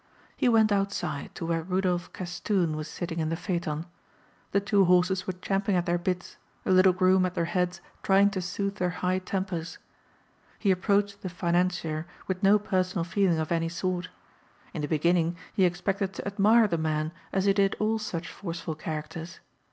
He went outside to where Rudolph Castoon was sitting in the phaeton. The two horses were champing at their bits, a little groom at their heads trying to soothe their high tempers. He approached the financier with no personal feeling of any sort. In the beginning he expected to admire the man as he did all such forceful characters.